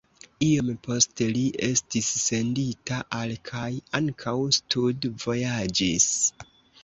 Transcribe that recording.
Iom poste li estis sendita al kaj ankaŭ studvojaĝis.